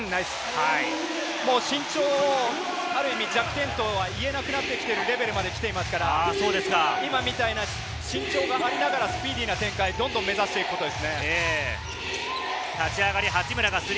身長はある意味、弱点とは言えないレベルまで来ています、今みたいな身長がありながら、スピーディーな展開をどんどん目指していくべきです。